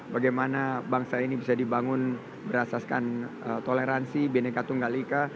bagaimana bangsa ini bisa dibangun berasaskan toleransi bineka tunggal ika